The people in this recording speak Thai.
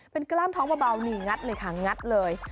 เป็นกล้ามท้องเบานี่งัดเลยค่ะงัดเลย